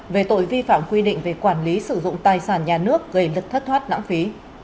về tội vi phạm quy định về quản lý sử dụng tài sản nhà nước gây lực thất thoát lãng phí